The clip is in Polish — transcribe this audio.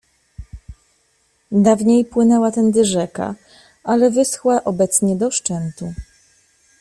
Dawniej płynęła tędy rzeka, ale wyschła obecnie do szczętu.